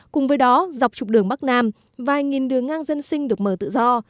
cùng với đó dọc trục đường bắc nam vài nghìn đường ngang dân sinh được mở tự do